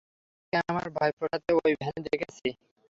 তাকে আমার ভাইপোর সাথে ওই ভ্যানে দেখেছি।